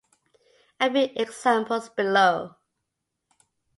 A few examples below.